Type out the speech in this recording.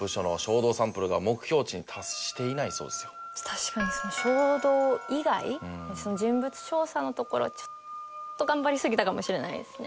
確かにその衝動以外人物調査のところはちょっと頑張りすぎたかもしれないですね。